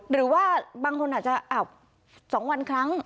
หรือว่าบางคนอาจจะ๒วันครั้ง